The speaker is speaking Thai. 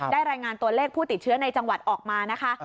รายงานตัวเลขผู้ติดเชื้อในจังหวัดออกมานะคะ